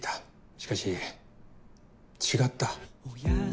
しかし違った。